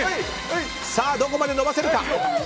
どこまで伸ばせるか。